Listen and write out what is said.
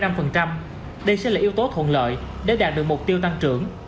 đây sẽ là yếu tố thuận lợi để đạt được mục tiêu tăng trưởng